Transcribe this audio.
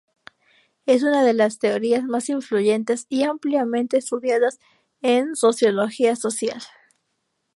Es una de las teorías más influyentes y ampliamente estudiadas en psicología social.